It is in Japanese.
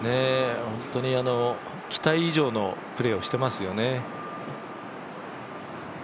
本当に期待以上のプレーをしていますよね。